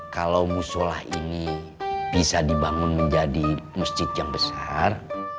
kalau musolah ini bisa dibangun menjadi masjid yang besar